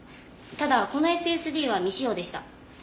ただこのＳＳＤは未使用でした。